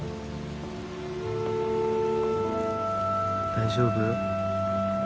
大丈夫？